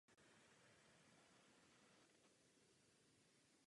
Rod patřil mezi vyšší šlechtu.